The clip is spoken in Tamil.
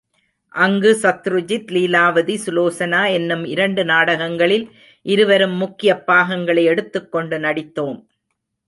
அங்கு சத்ருஜித், லீலாவதி சுலோசனா என்னும் இரண்டு நாடகங்களில் இருவரும் முக்கியப் பாகங்களை எடுத்துக்கொண்டு நடித்தோம்.